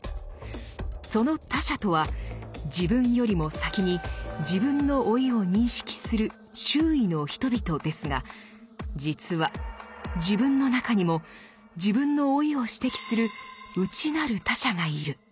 その他者とは自分よりも先に自分の老いを認識する「周囲の人々」ですが実は自分の中にも自分の老いを指摘する「内なる他者」がいる。